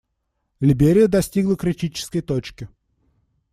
Либерия достигла критической точки.